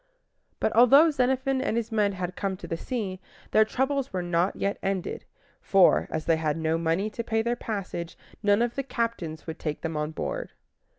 But although Xenophon and his men had come to the sea, their troubles were not yet ended; for, as they had no money to pay their passage, none of the captains would take them on board.